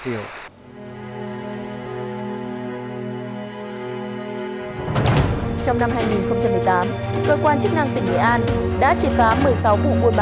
trong năm hai nghìn một mươi tám cơ quan chức năng tỉnh nghệ an đã triệt phá một mươi sáu vụ mua bán